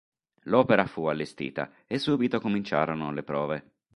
L'opera fu allestita e subito cominciarono le prove.